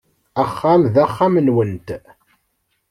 Axxam d axxam-nwent.